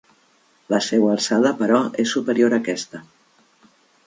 La seua alçada, però, és superior a aquesta.